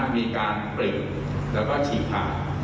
มีการปริบแล้วก็ฉีกผัก